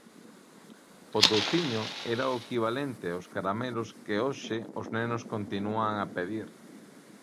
O touciño era o equivalente aos caramelos que hoxe os nenos continúan a pedir.